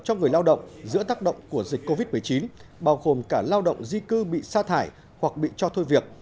cho người lao động giữa tác động của dịch covid một mươi chín bao gồm cả lao động di cư bị sa thải hoặc bị cho thôi việc